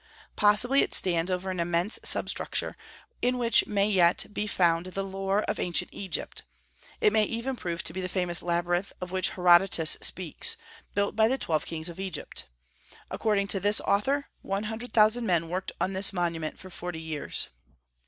Possibly it stands over an immense substructure, in which may yet be found the lore of ancient Egypt; it may even prove to be the famous labyrinth of which Herodotus speaks, built by the twelve kings of Egypt. According to this author, one hundred thousand men worked on this monument for forty years.